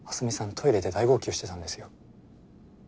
トイレで大号泣してたんですよ